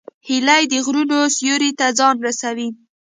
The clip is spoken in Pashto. هیلۍ د غرونو سیوري ته ځان رسوي